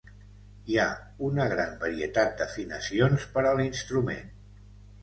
Hi ha una gran varietat d'afinacions per a l'instrument.